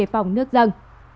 vòng nước dần